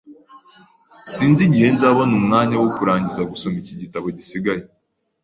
Sinzi igihe nzabona umwanya wo kurangiza gusoma iki gitabo gisigaye.